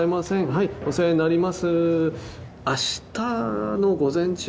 はいお世話になります